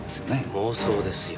妄想ですよ。